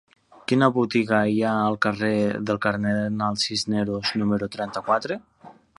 Quina botiga hi ha al carrer del Cardenal Cisneros número trenta-quatre?